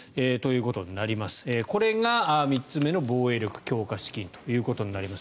これが３つ目の防衛力強化資金となります。